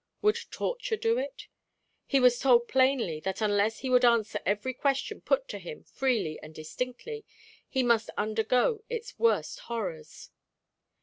Would torture do it? He was told plainly, that unless he would answer every question put to him freely and distinctly, he must undergo its worst horrors.